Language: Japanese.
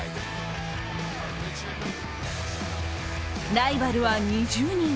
ライバルは２０人。